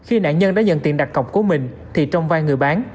khi nạn nhân đã nhận tiền đặt cọc của mình thì trong vai người bán